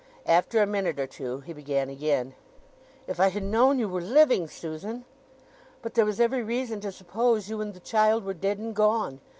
After a minute or two he again began: "If I had known you were living, Susan! But there was every reason to suppose you and the child were dead and gone.